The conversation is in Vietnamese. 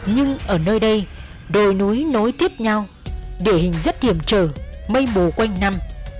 nhưng ở nơi đây đồi núi nối tiếp nhau địa hình rất hiểm trở mây mù quanh năm